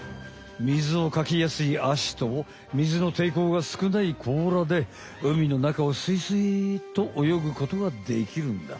みずをかきやすいアシとみずのていこうがすくない甲羅で海の中をすいすいっとおよぐことができるんだ。